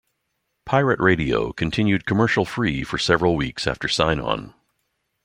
Pirate Radio continued commercial-free for several weeks after sign on.